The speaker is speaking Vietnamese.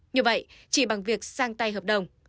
như vậy chỉ bằng việc sang tay hợp đồng